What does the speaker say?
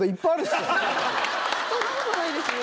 そんなことないですよ。